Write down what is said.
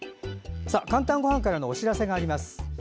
「かんたんごはん」からのお知らせがあります。